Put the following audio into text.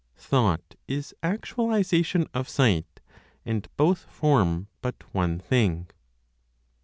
THOUGHT IS ACTUALIZATION OF SIGHT, AND BOTH FORM BUT ONE THING.